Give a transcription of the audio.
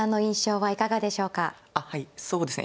はいそうですね